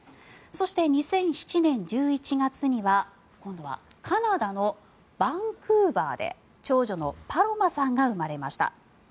そして、２００７年１１月には今度はカナダのバンクーバーで長女のパロマさんが生まれました。